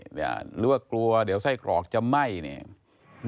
หรือว่ากลัวเดี๋ยวไส้กรอกจะไหม้เนี่ย